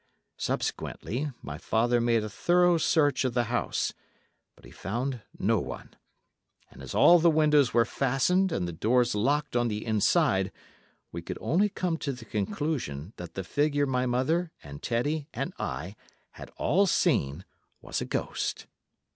Subsequently, my father made a thorough search of the house, but he found no one, and as all the windows were fastened and the doors locked on the inside, we could only come to the conclusion that the figure my mother and Teddy and I had all seen was a ghost.